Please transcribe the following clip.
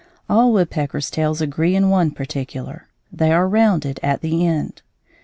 ] All woodpeckers' tails agree in one particular: they are rounded at the end.